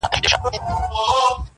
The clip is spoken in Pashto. ښکلي همېش د سترګو پاس دا لړمان ساتي ,